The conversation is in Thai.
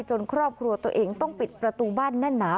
ครอบครัวตัวเองต้องปิดประตูบ้านแน่นหนา